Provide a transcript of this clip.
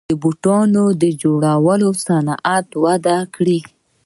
د بوټانو جوړولو صنعت وده کړې